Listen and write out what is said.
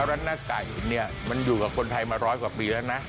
ร้านหน้าไก่เนี่ยมันอยู่กับคนไทยมาร้อยกว่าปีแล้วนะ